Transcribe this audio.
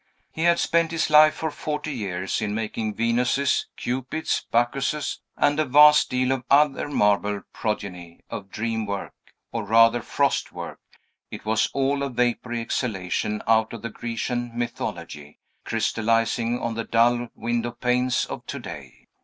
He had spent his life, for forty years, in making Venuses, Cupids, Bacchuses, and a vast deal of other marble progeny of dreamwork, or rather frostwork: it was all a vapory exhalation out of the Grecian mythology, crystallizing on the dull window panes of to day.